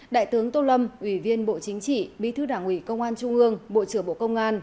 đại tướng tô lâm ủy viên bộ chính trị bí thư đảng ủy công an trung ương bộ trưởng bộ công an